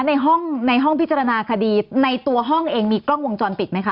ในห้องในห้องพิจารณาคดีในตัวห้องเองมีกล้องวงจรปิดไหมคะ